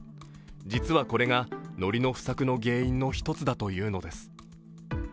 実はこれがのりの不作の原因の一つだというのです。